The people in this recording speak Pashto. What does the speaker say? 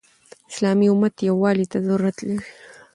اسلامي امت يووالي ته ضرورت لري.